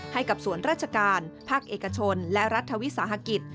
ให้กับส่วนราชการภาคเอกชนและรัฐวิสาหกิจ